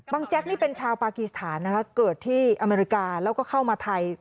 แจ๊กนี่เป็นชาวปากีสถานนะคะเกิดที่อเมริกาแล้วก็เข้ามาไทย